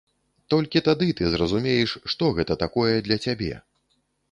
Толькі тады ты зразумееш, што гэта такое для цябе.